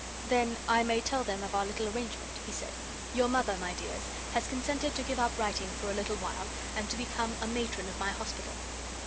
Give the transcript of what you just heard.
"Then I may tell them of our little arrangement," he said. "Your Mother, my dears, has consented to give up writing for a little while and to become a Matron of my Hospital."